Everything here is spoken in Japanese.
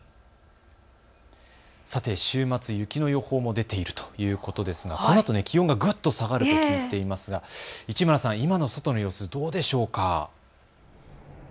週末、雪の予報も出ているということですがこのあと気温がぐっと下がると聞いていますが市村さん、今の外の様子どうでしょうか。